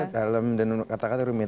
dalam dan kata kata rumit